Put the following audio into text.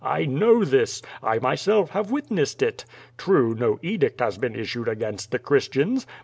I know this! I myself have witnessed it. True, no edict has been issued against the Christians.